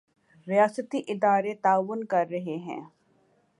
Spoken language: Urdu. ریاستی ادارے تعاون کر رہے ہیں۔